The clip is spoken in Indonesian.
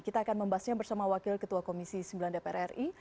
kita akan membahasnya bersama wakil ketua komisi sembilan dpr ri